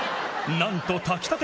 なんと炊きたて